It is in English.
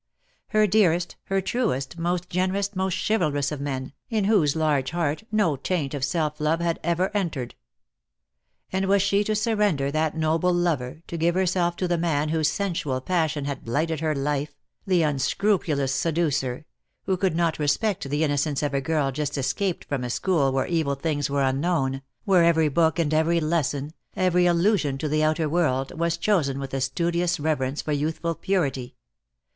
Her dearest, her truest, most generous, most chivalrous of men, in whose large heart no taint of self love had ever entered! And was she to surrender that noble lover, to give herself to the man whose sensual passion had blighted her life, the unscrupulous seducer, who could not respect the innocence of a girl just escaped from a school where evil things were unknown, where every book and every lesson, every allusion to the outer world, was chosen with a studious reverence for youthful purity.